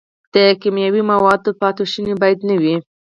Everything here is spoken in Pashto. د کیمیاوي موادو پاتې شوني باید نه وي.